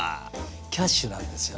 キャッシュなんですよね。